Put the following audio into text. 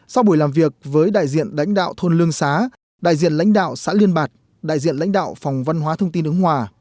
sau buổi làm việc với đại diện đánh đạo thôn lương xá đại diện lãnh đạo xã liên bạc đại diện lãnh đạo phòng văn hóa thông tin ứng hòa